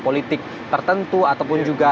politik tertentu ataupun juga